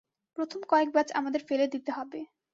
প্রথম কয়েক ব্যাচ আমাদের ফেলে দিতে হবে।